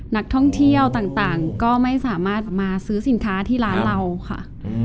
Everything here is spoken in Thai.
นักท่องเที่ยวต่างก็ไม่สามารถมาซื้อสินค้าที่ร้านเราค่ะ